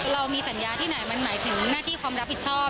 เรามีสัญญาที่ไหนมันหมายถึงหน้าที่ความรับผิดชอบ